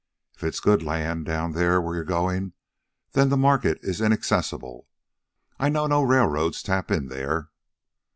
If it's good land down there where you're going, then the market is inaccessible. I know no railroads tap in there."